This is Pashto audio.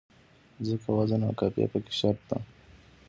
ځکه وزن او قافیه پکې شرط دی.